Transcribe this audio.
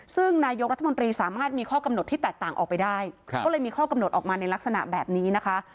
ซึ่งนายกรัฐมนตรีสามารถมีข้อกำหนดที่แตกต่างออกไปได้ก็เลยมีข้อกำหนดออกมาในลักษณะแบบนี้นะคะ